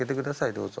どうぞ。